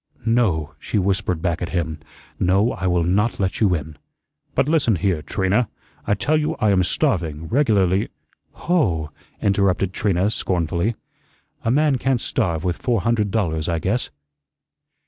"No," she whispered back at him. "No, I will not let you in." "But listen here, Trina, I tell you I am starving, regularly " "Hoh!" interrupted Trina scornfully. "A man can't starve with four hundred dollars, I guess."